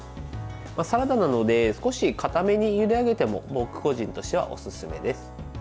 サラダなので少しかためにゆであげても僕、個人としてはおすすめです。